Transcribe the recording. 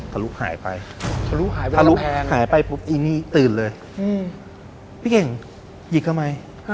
ถ้าลุกหายไปถ้าลุกหายไปปุ๊บอีนี่ตื่นเลยพี่เก่งหยิกเอาไหม